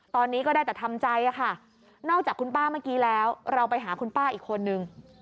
ตอนนี้ก็ได้แต่ทำใจค่ะนอกจากคุณป้าเมื่อกี้แล้วเราไปหาคุณป้าอีกคนนึง